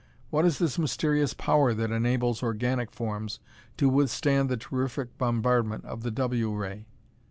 What is this mysterious power that enables organic forms to withstand the terrific bombardment of the W ray?"